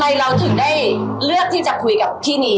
เราถึงได้เลือกที่จะคุยกับที่นี้